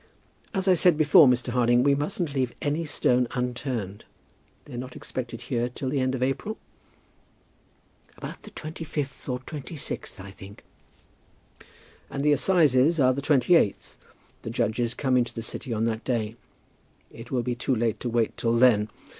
As I said before, Mr. Harding, we mustn't leave a stone unturned. They're not expected here till the end of April?" "About the 25th or 26th, I think." "And the assizes are the 28th. The judges come into the city on that day. It will be too late to wait till then.